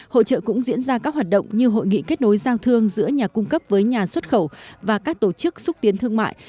hội trợ cũng diễn ra các hoạt động như hội nghị kết nối giao thương giữa nhà cung cấp với nhà xuất khẩu và các tổ chức xúc tiến thương mại